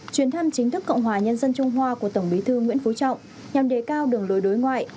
chuyến thăm chính thức cộng hòa nhân dân trung hoa của tổng bí thư nguyễn phú trọng nhằm đề cao đường lối đối ngoại